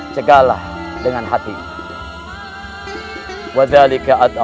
cegahlah dengan hati